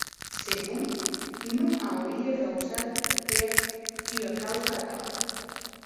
Se non, non aurie gausat hèr ua causa atau.